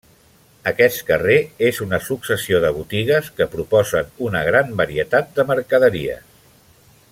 Aquest carrer és una successió de botigues que proposen una gran varietat de mercaderies.